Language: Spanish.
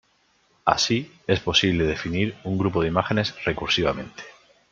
Así, es posible definir a un grupo de imágenes recursivamente.